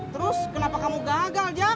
terus kenapa kamu gagal ya